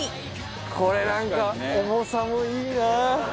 これなんか重さもいいな。